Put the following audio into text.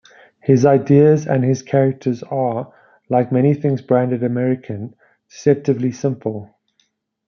His ideas and his characters are, like many things branded "American", deceptively simple.